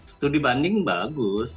studi banding bagus